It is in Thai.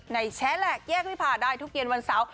แชร์แหลกแยกวิพาได้ทุกเย็นวันเสาร์